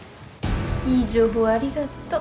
いい情報ありがとう。